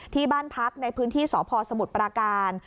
ที่บ้านพักในพื้นที่สพสมุทรปราการ